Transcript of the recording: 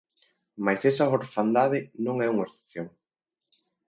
Mais esa orfandade non é unha excepción.